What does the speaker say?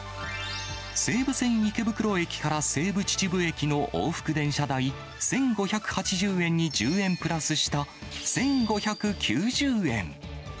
西武線池袋駅から西武秩父駅の往復電車代１５８０円に１０円プラスした１５９０円。